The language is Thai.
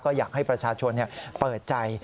ก็อยากให้ประชาชนเปิดใจ